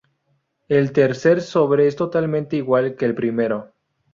El tercer sobre es totalmente igual que el primero.